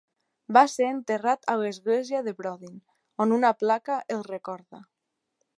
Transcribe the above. Va ser enterrat a l'església de Brodin, on una placa el recorda.